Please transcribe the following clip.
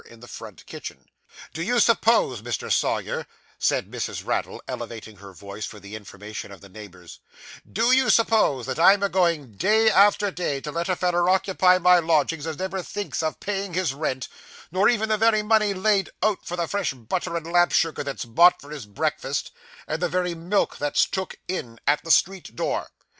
in the front kitchen. 'Do you suppose, Mr. Sawyer,' said Mrs. Raddle, elevating her voice for the information of the neighbours 'do you suppose that I'm a going day after day to let a fellar occupy my lodgings as never thinks of paying his rent, nor even the very money laid out for the fresh butter and lump sugar that's bought for his breakfast, and the very milk that's took in, at the street door?